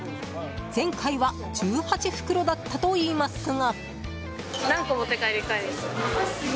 前回は１８袋だったといいますが。